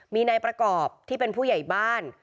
มีนายประกอบที่เป็นผู้ใหญ่บ้าน